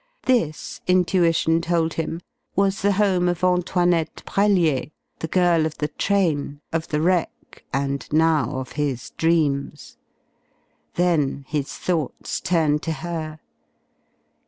This, intuition told him, was the home of Antoinette Brellier, the girl of the train, of the wreck, and now of his dreams. Then his thoughts turned to her.